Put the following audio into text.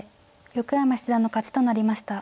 横山七段の勝ちとなりました。